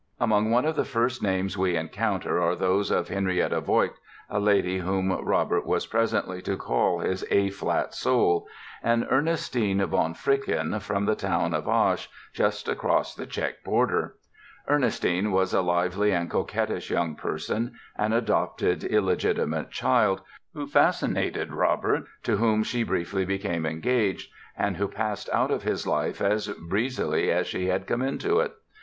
Among one of the first names we encounter are those of Henriette Voigt, a lady whom Robert was presently to call "his A flat soul", and Ernestine von Fricken, from the town of Asch, just across the Czech border. Ernestine was a lively and coquettish young person, an adopted illegitimate child, who fascinated Robert, to whom she briefly became engaged, and who passed out of his life as breezily as she had come into it.